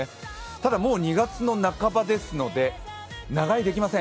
ただもう２月の半ばですので、長居できません。